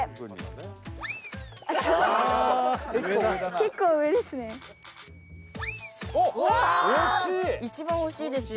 結構上ですね。